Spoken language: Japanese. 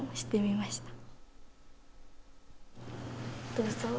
どうぞ。